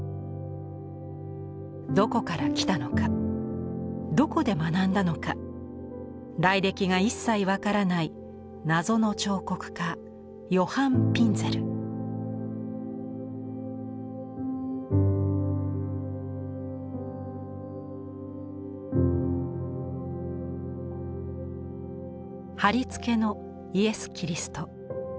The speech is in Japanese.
どこから来たのかどこで学んだのか来歴が一切分からない謎の彫刻家はりつけのイエス・キリスト。